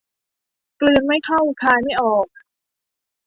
กลืนไม่เข้าคายไม่ออก